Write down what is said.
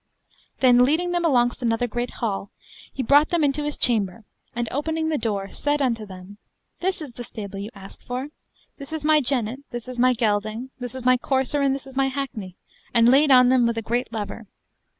Then leading them alongst another great hall, he brought them into his chamber, and, opening the door, said unto them, This is the stable you ask for; this is my jennet; this is my gelding; this is my courser, and this is my hackney, and laid on them with a great lever.